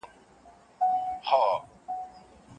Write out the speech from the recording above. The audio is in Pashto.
ولسي جرګه به د ښځينه سوداګرو لپاره ځانګړې اسانتياوې برابرې کړي.